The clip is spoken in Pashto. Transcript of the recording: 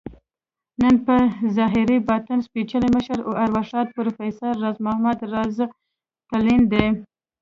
نن په ظاهر ، باطن سپیڅلي مشر، ارواښاد پروفیسر راز محمد راز تلين دی